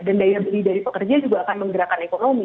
dan daya beli dari pekerja juga akan menggerakkan ekonomi